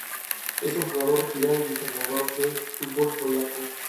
Es un jugador retirado y entrenador de fútbol polaco.